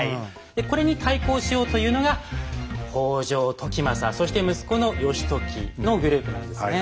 でこれに対抗しようというのが北条時政そして息子の義時のグループなんですね。